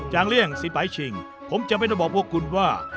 จางเลี่ยงสินปั๊ยชิงผมจะไม่ต้องบอกพวกคุณว่า